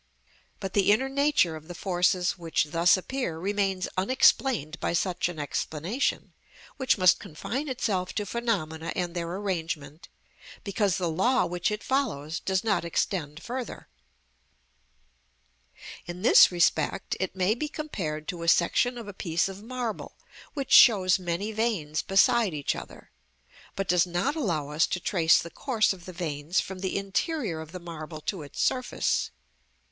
But the inner nature of the forces which thus appear remains unexplained by such an explanation, which must confine itself to phenomena and their arrangement, because the law which it follows does not extend further. In this respect it may be compared to a section of a piece of marble which shows many veins beside each other, but does not allow us to trace the course of the veins from the interior of the marble to its surface.